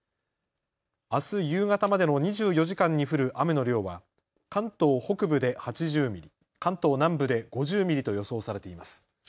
あす夕方までの２４時間に降る雨の量は関東北部で８０ミリ、関東南部で５０ミリと予想されています。